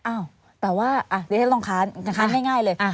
อ้าวแต่ว่าเดี๋ยวฉันลองค้านค้านง่ายเลย